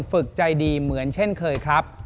ฝึกใจดีเหมือนเช่นเคยครับ